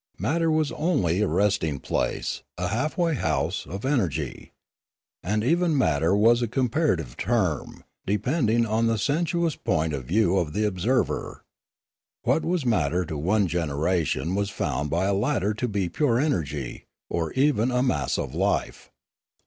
Matter was only a rest ing place, a half way house, of energy. And even matter was a comparative term, depending on the sensuous point of view of the observer. What was matter to one generation was found by a later to be pure energy, or even a mass of life.